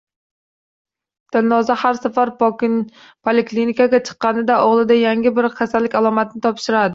Dilnoza har safar poliklinikaga chiqqanida o`g`lida yangi bir kasallik alomatini topishardi